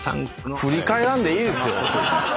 振り返らんでいいですよ。